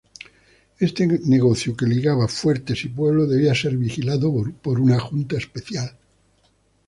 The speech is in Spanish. Este "negocio" que ligaba fuertes y pueblos debía ser vigilado por una Junta especial.